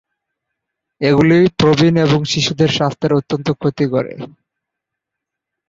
এগুলি প্রবীণ এবং শিশুদের স্বাস্থ্যের অত্যন্ত ক্ষতি করে।